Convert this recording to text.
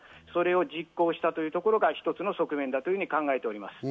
それを実行したというところが一つの側面だと考えています。